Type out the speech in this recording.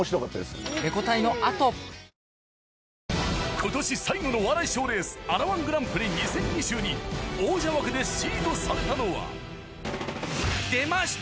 今年最後のお笑い賞レースあら−１グランプリ２０２２王者枠でシードされたのは出ました！